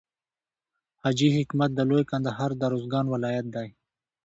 حاجي حکمت د لوی کندهار د روزګان ولایت دی.